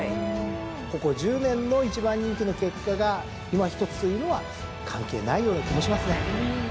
ここ１０年の１番人気の結果がいまひとつというのは関係ないような気もしますね。